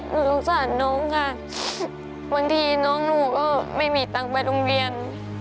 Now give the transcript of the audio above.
หนูสงสารน้องค่ะบางทีน้องหนูก็ไม่มีตังค์ไปโรงเรียน